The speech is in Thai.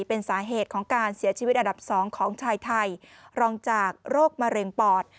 เป็นสาเหตุของการเสียชีวิตอันดับ๒ของชายไทยรองจากโรคมะเร็งปอด